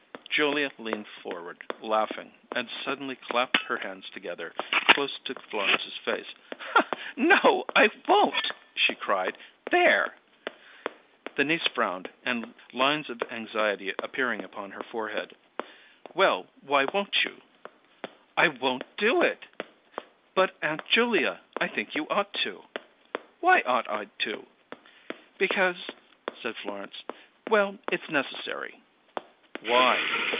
Julia leaned forward, laughing, and suddenly clapped her hands together, close to Florence's face. "No, I won't!" she cried. "There!" The niece frowned, lines of anxiety appearing upon her forehead. "Well, why won't you?" "I won't do it!" "But, Aunt Julia, I think you ought to!" "Why ought I to?" "Because " said Florence. "Well, it's necessary." "Why?"